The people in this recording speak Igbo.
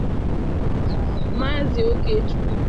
Maazị Okechukwu